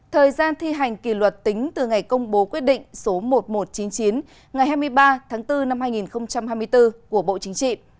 thời gian thi hành kỷ luật tính từ ngày công bố quyết định số một nghìn một trăm chín mươi chín ngày hai mươi ba tháng bốn năm hai nghìn hai mươi bốn của bộ chính trị